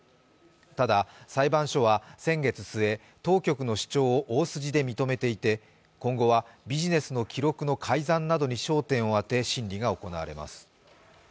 ただ裁判所は先月末、当局の主張を大筋で認めていて今後はビジネスの記録の改ざんなどに焦点を当て審理が行われます。